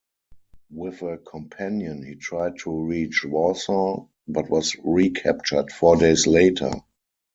With a companion he tried to reach Warsaw, but was recaptured four days later.